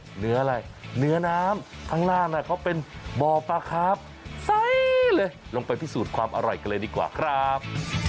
เหนืออะไรเนื้อน้ำข้างล่างเขาเป็นบ่อปลาครับใสเลยลงไปพิสูจน์ความอร่อยกันเลยดีกว่าครับ